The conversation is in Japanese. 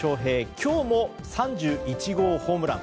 今日も３１号ホームラン。